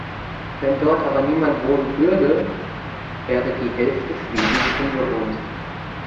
Wenn dort aber niemand wohnen würde, wäre die Hälfte Schwedens unbewohnt.